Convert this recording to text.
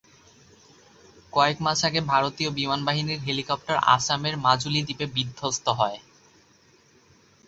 কয়েক মাস আগে ভারতীয় বিমানবাহিনীর হেলিকপ্টার আসামের মাজুলি দ্বীপে বিধ্বস্ত হয়।